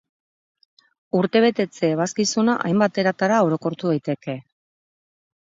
Urtebetetze ebazkizuna hainbat eratara orokortu daiteke.